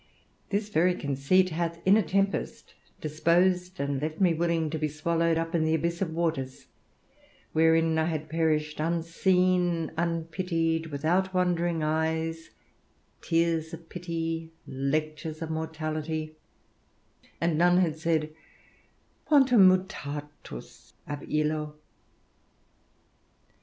This very conceit hath in a tempest disposed and left me willing to be swallowed up in the abyss of waters, wherein I had perished unseen, unpitied, without wondering eyes, tears of pity, lectures of mortality, and none had said, "Quantum mutatus ab illo!"